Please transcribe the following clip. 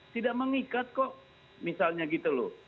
tidak mengikat kok misalnya gitu loh